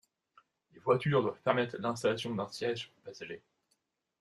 Les voitures doivent permettre l'installation d'un siège passager.